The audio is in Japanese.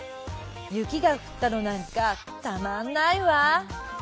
雪が降ったのなんかたまんないわ。